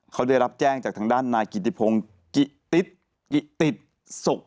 เขาได้รับแจ้งจากทางด้านนายกิติพงศ์กิติศสุก